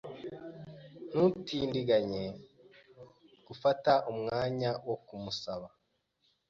Ntutindiganye gufata umwanya wo kumusaba.